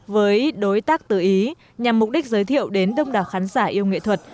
với đối tác từ ý nhằm mục đích giới thiệu đến đông đảo khán giả yêu nghệ thuật